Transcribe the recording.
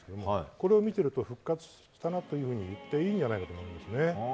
これを見てると復活したなというふうにいっていいんじゃないかなと思うんです。